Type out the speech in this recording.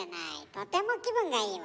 とても気分がいいわ。